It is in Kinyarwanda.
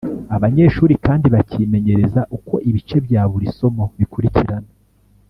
Abanyeshuri kandi bakimenyereza uko ibice bya buri somo bikurikirana